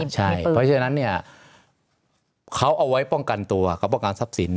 เพราะฉะนั้นเนี่ยเขาเอาไว้ป้องกันตัวเขาป้องกันทรัพย์สิน